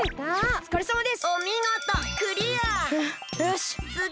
おつかれさまです！